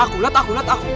ramlah kan tahu